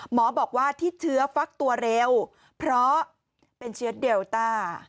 หมอบอกว่าที่เชื้อฟักตัวเร็วเพราะเป็นเชื้อเดลต้า